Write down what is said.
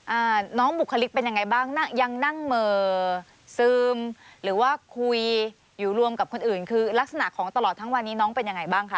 อ่าน้องบุคลิกเป็นยังไงบ้างนั่งยังนั่งเหม่อซึมหรือว่าคุยอยู่รวมกับคนอื่นคือลักษณะของตลอดทั้งวันนี้น้องเป็นยังไงบ้างคะ